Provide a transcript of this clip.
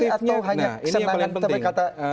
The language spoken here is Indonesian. atau hanya kesenangan